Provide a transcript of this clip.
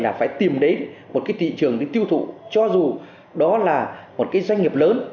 là phải tìm đến một cái thị trường để tiêu thụ cho dù đó là một cái doanh nghiệp lớn